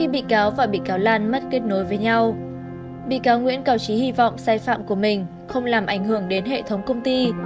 bị cáo nguyễn cào trí hy vọng sai phạm của mình không làm ảnh hưởng đến hệ thống công ty